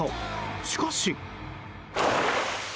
しかし。